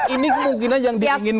ini mungkin yang diinginkan